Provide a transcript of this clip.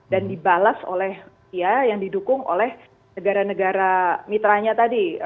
dan dibalas oleh yang didukung oleh negara negara mitranya tadi